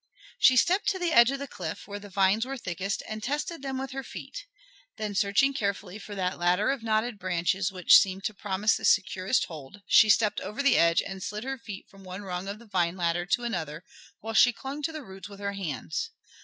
She stepped to the edge of the cliff where the vines were thickest and tested them with her feet. Then, searching carefully for that ladder of knotted branches which seemed to promise the securest hold she stepped over the edge and slid her feet from one rung of the vine ladder to another while she clung to the roots with her hands.